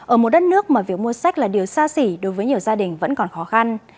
ở một đất nước mà việc mua sách là điều xa xỉ đối với nhiều gia đình vẫn còn khó khăn